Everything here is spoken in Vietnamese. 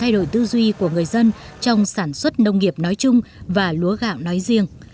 đây là một trong những tư duy của người dân trong sản xuất nông nghiệp nói chung và lúa gạo nói riêng